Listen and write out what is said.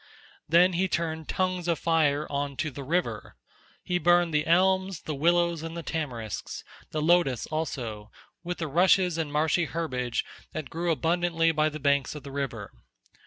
Then he turned tongues of fire on to the river. He burned the elms the willows and the tamarisks, the lotus also, with the rushes and marshy herbage that grew abundantly by the banks of the river.